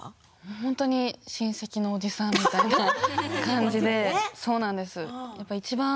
本当に親戚のおじさんという感じでそうなんです。